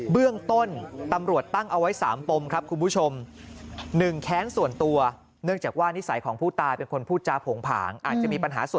เบื้องต้นตำรวจตั้งเอาไว้๓ปมครับคุณผู้ชม